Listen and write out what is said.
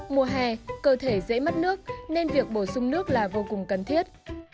mùa hè cơ thể dễ mất nước nên việc bổ sung nước là vô cùng cần thiết